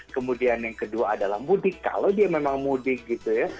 kemudian yang kedua adalah mudik kalau dia memang mudik gitu ya